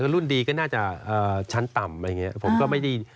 รุ่นดีก็น่าจะชั้นต่ำผมก็ไม่ดี